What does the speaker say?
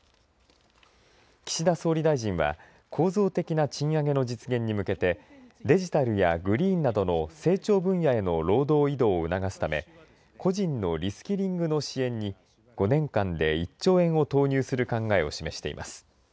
岸田総理大臣は、構造的な賃上げの実現に向けてデジタルやグリーンなどの成長分野への労働移動を促すため個人のリスキリングの支援に５年間で１兆円を投入する考えを示しています。